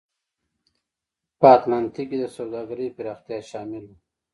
په اتلانتیک کې د سوداګرۍ پراختیا شامل و.